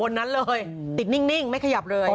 มนุ่นติดนิ่งไม่ขยับ